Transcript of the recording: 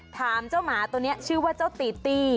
ถามเจ้าหมาตัวนี้ชื่อว่าเจ้าตีตี้